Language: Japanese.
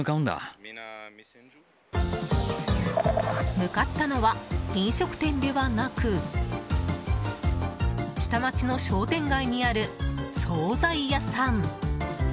向かったのは飲食店ではなく下町の商店街にある総菜屋さん。